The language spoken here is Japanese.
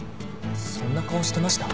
そんな顔してました？